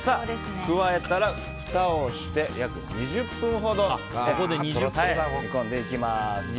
加えたら、ふたをして約２０分ほど煮ていきます。